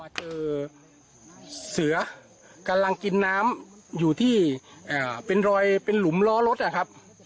เจอเสือกำลังกินน้ำอยู่ที่เป็นรอยเป็นหลุมล้อรถนะครับ